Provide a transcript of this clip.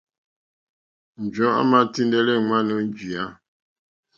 Njɔ̀ɔ́ àmà tíndɛ́lɛ́ èŋwánà ó njìyá.